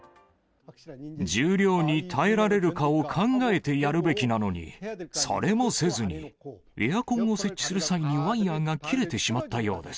重量に耐えられるかを考えてやるべきなのに、それもせずに、エアコンを設置する際にワイヤーが切れてしまったようです。